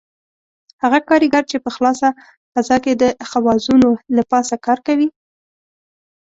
هغه کاریګر چې په خلاصه فضا کې د خوازونو له پاسه کار کوي.